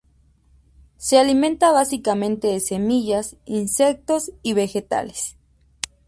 Se alimenta básicamente de semillas, insectos y vegetales.